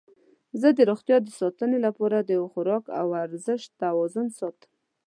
زه د روغتیا د ساتنې لپاره د خواراک او ورزش توازن ساتم.